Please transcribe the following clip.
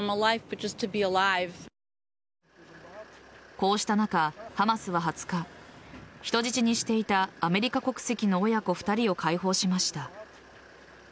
こうした中、ハマスは２０日人質にしていたアメリカ国籍の親子２人を解放しました。